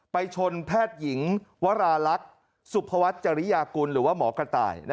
ไปชนแพทย์หญิงวราลักษณ์สุภวัฒน์จริยากุลหรือว่าหมอกระต่าย